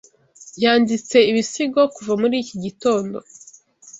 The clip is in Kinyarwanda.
Yanditse ibisigo kuva muri iki gitondo.